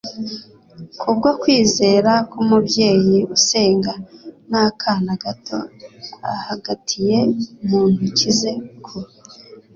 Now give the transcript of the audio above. Kubwo kwizera k'umubyeyi usenga, n'akana gato ahagatiye mu ntoki ze ku